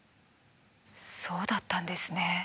そうだったんですね。